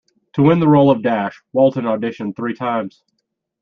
To win the role of Dash, Walton auditioned three times.